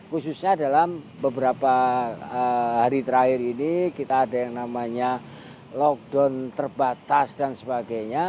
khususnya dalam beberapa hari terakhir ini kita ada yang namanya lockdown terbatas dan sebagainya